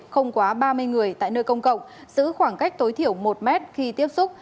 không quá ba mươi người tại nơi công cộng giữ khoảng cách tối thiểu một mét khi tiếp xúc